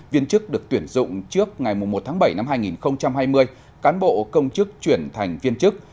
viên chức được tuyển dụng trước ngày một tháng bảy năm hai nghìn hai mươi cán bộ công chức chuyển thành viên chức